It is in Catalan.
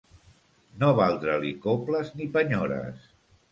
No valdre-li coples ni penyores.